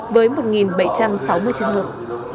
với một bảy trăm sáu mươi trường hợp